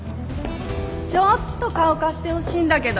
ちょっと顔貸してほしいんだけど。